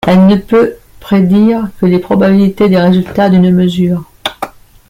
Elle ne peut prédire que les probabilités des résultats d'une mesure.